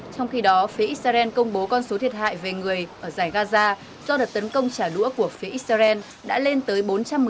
trong khi đó phía israel công bố con số thiệt hại về người ở giải gaza do đợt tấn công trả đũa của phía israel đã lên tới bốn trăm một mươi